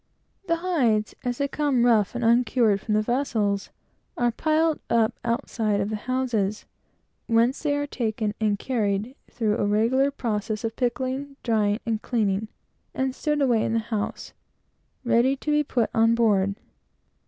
The hides, as they come rough and uncured from the vessels, are piled up outside of the houses, whence they are taken and carried through a regular process of pickling, drying, cleaning, etc., and stowed away in the house, ready to be put on board.